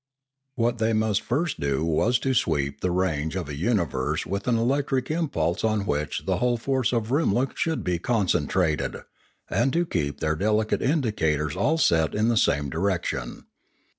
What they must first do was to sweep the range of a universe with an electric impulse on which the whole force of Rimla should be concentrated, and to keep their delicate indicators all set in the same direction.